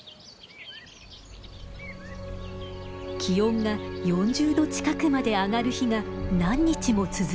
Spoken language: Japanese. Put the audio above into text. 気温が４０度近くまで上がる日が何日も続いたのです。